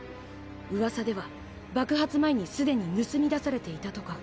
噂では爆発前にすでに盗み出されていたとか。